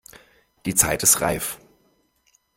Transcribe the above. Die Zeit ist reif!